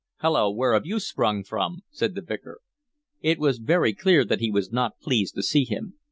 "Hulloa, where have you sprung from?" said the Vicar. It was very clear that he was not pleased to see him.